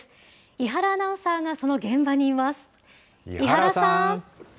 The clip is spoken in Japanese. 伊原アナウンサーがその現場にします。